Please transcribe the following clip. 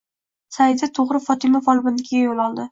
Saida to`g`ri Fotima folbinnikiga yo`l oldi